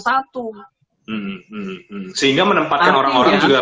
sehingga menempatkan orang orang juga